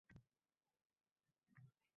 Gʻuvullab allaqanday gʻalati ovoz chiqardi